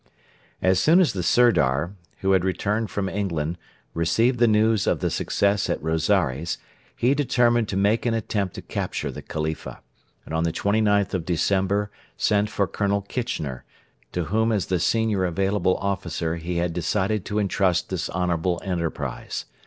As soon as the Sirdar, who had returned from England, received the news of the success at Rosaires he determined to make an attempt to capture the Khalifa; and on the 29th of December sent for Colonel Kitchener, to whom as the senior available officer he had decided to entrust this honourable enterprise.